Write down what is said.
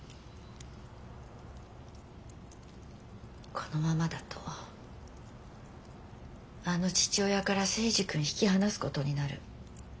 このままだとあの父親から征二君引き離すことになる。